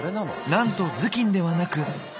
なんと頭巾ではなく赤い帽子。